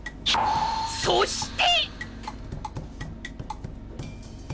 そして！